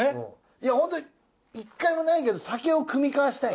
いやホントに１回もないけど酒を酌み交わしたい。